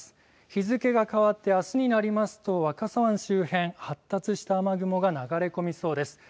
日付が変わってあすになりますと若狭湾周辺、発達した雨雲が流れ込みそうです。